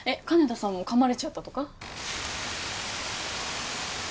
金田さんも噛まれちゃったとか？